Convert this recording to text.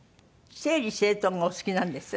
整理整頓がお好きなんですって？